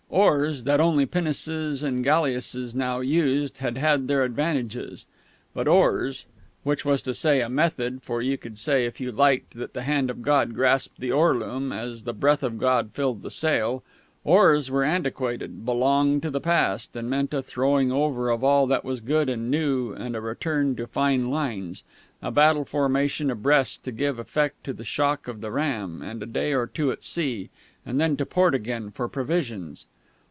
Oars, that only pinnaces and galliasses now used, had had their advantages. But oars (which was to say a method, for you could say if you liked that the Hand of God grasped the oar loom, as the Breath of God filled the sail) oars were antiquated, belonged to the past, and meant a throwing over of all that was good and new and a return to fine lines, a battle formation abreast to give effect to the shock of the ram, and a day or two at sea and then to port again for provisions.